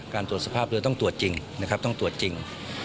ตรวจสภาพเรือต้องตรวจจริงนะครับต้องตรวจจริง